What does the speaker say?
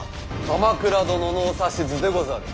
鎌倉殿のお指図でござる。